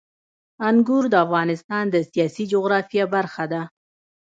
انګور د افغانستان د سیاسي جغرافیه برخه ده.